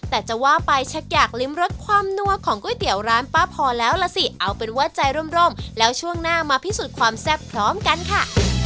แต่จะว่าไปชักอยากลิ้มรสความนัวของก๋วยเตี๋ยวร้านป้าพอแล้วล่ะสิเอาเป็นว่าใจร่มแล้วช่วงหน้ามาพิสูจน์ความแซ่บพร้อมกันค่ะ